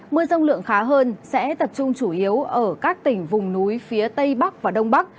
mưa rông lượng khá hơn sẽ tập trung chủ yếu ở các tỉnh vùng núi phía tây bắc và đông bắc